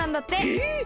えっ！？